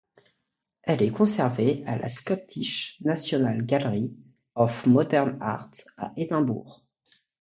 Elle est conservée à la Scottish National Gallery of Modern Art, à Édimbourg.